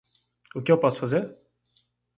O que eu posso fazer?